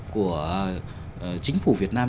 của chính phủ việt nam